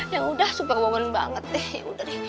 ya udah superwoman banget deh